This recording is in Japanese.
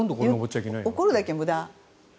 怒るだけ無駄。